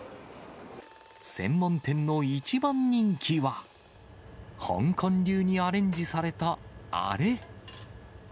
専門店の一番人気は、香港流にアレンジされた、あれ。